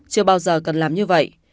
chưa bao giờ cần làm như vậy